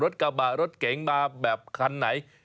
รถกาบาลรถเก๋งมาแบบคันไหน